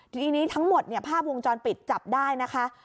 ทีนี้ทั้งหมดเนี่ยภาพวงจรปิดจับได้นะคะ